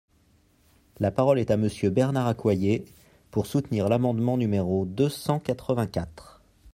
La parole est à Monsieur Bernard Accoyer, pour soutenir l’amendement numéro deux cent quatre-vingt-quatre.